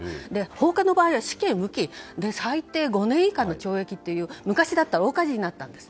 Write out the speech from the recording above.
放火の場合は死刑、無期で最低５年以下の懲役という昔だったら大火事になったんです。